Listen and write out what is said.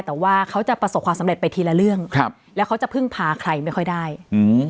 แต่ว่าเขาจะประสบความสำเร็จไปทีละเรื่องครับแล้วเขาจะพึ่งพาใครไม่ค่อยได้อืม